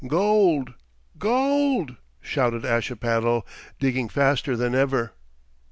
"Gold! Gold!" shouted Ashipattle, digging faster than ever.